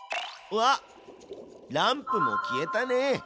うわっランプも消えたね！